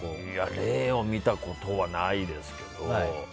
霊を見たことはないですけど。